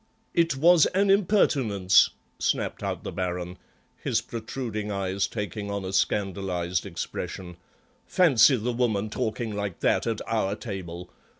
"It was an impertinence," snapped out the Baron, his protruding eyes taking on a scandalised expression; "fancy the woman talking like that at our table.